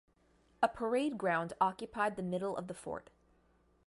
A parade ground occupied the middle of the fort.